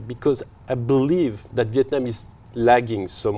vì tôi tin rằng việt nam đang hướng dẫn